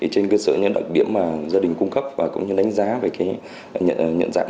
trên cơ sở những đặc điểm mà gia đình cung cấp và cũng như đánh giá về nhận dạng